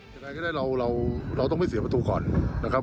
ยังไงก็ได้เราต้องไม่เสียประตูก่อนนะครับ